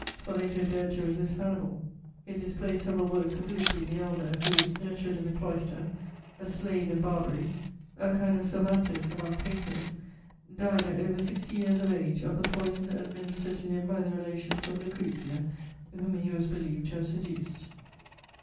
Spoleto dared to resist Hannibal. It displays several works of Lippi the Elder who, nurtured in the cloister, a slave in Barbary, a kind of Cervantes among painters, died at over sixty years of age of the poison administered to him by the relations of Lucrezia, whom he was believed to have seduced."